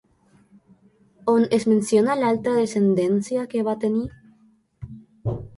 On es menciona l'altra descendència que va tenir?